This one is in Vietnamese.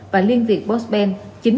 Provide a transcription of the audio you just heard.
và liên việt postben